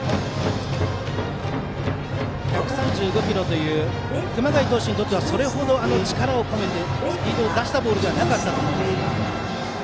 １３５キロという熊谷投手にとってはそれほど力を込めてスピードを出したボールではなかったと思いますが。